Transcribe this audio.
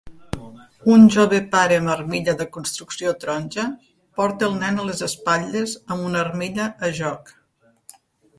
Un jove pare amb armilla de construcció taronja porta el nen a les espatlles amb una armilla a joc.